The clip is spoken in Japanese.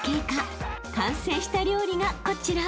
［完成した料理がこちら］